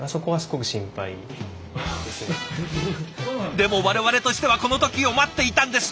でも我々としてはこの時を待っていたんです！